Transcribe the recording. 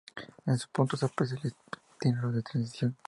En ese punto se aprecia el epitelio de transición.